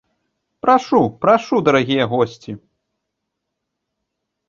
Прашу, прашу, дарагія госці.